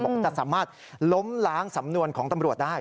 จะสามารถล้มล้างสำนวนของตำรวจได้